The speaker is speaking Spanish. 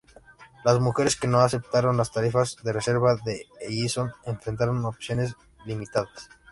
Las mujeres que no aceptaron las tarifas de reserva de Ellison enfrentaron opciones limitadas.